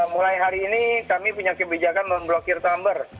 mulai hari ini kami punya kebijakan memblokir tumbr